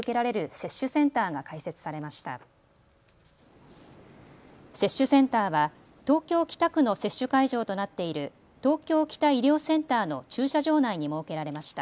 接種センターは東京北区の接種会場となっている東京北医療センターの駐車場内に設けられました。